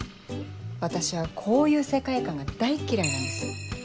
私はこういう世界観が大嫌いなんです。